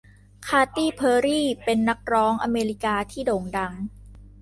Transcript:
คาตี้เพอร์รี่เป็นนักร้องอเมริกาที่โด่งดัง